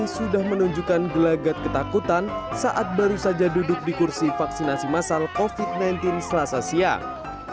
sudah menunjukkan gelagat ketakutan saat baru saja duduk di kursi vaksinasi masal covid sembilan belas selasa siang